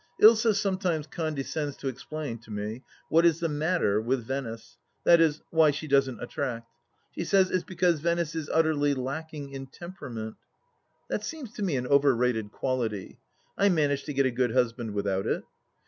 Ilsa sometimes condescends to explain to me what is the matter (?) with Venice, i.e. why she doesn't attract. She says it's because Venice is utterly lacking in temperament. That seems to me an over rated quality ; I managed to get a good husband without it.